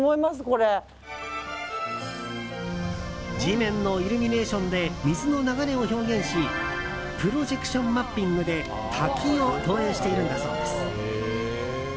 地面のイルミネーションで水の流れを表現しプロジェクションマッピングで滝を投影しているんだそうです。